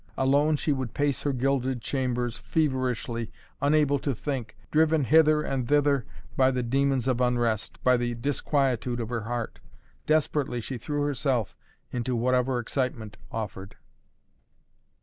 Alone she would pace her gilded chambers, feverishly, unable to think, driven hither and thither by the demons of unrest, by the disquietude of her heart. Desperately she threw herself into whatever excitement offered.